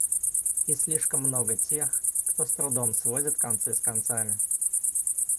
И слишком много тех, кто с трудом сводит концы с концами.